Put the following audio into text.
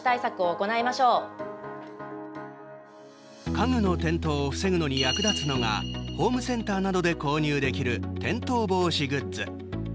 家具の転倒を防ぐのに役立つのがホームセンターなどで購入できる転倒防止グッズ。